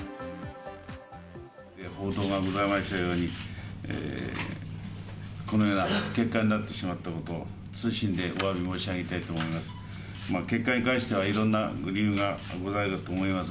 報道がございましたように、このような結果になってしまったことを、謹んでおわび申し上げたいと思います。